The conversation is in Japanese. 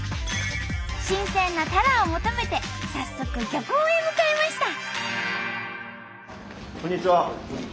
新鮮なタラを求めて早速漁港へ向かいました。